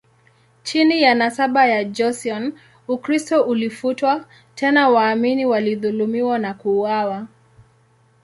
Chini ya nasaba ya Joseon, Ukristo ulifutwa, tena waamini walidhulumiwa na kuuawa.